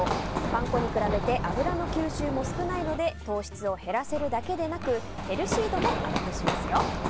パン粉に比べて油の吸収も少ないので糖質を減らせるだけでなくヘルシー度もアップしますよ。